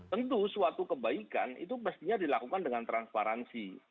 tentu suatu kebaikan itu mestinya dilakukan dengan transparansi